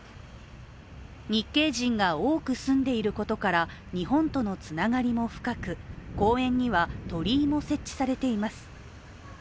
日系人が多く住んでいることから日本とのつながりも深く、公園には鳥居も設置されています。